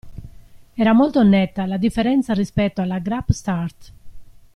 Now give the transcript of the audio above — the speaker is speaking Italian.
Era molto netta la differenza rispetto alla grap start.